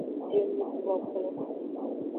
Enukplokplo.